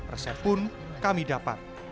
resep pun kami dapat